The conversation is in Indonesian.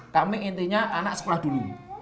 kami intinya anak sekolah dulu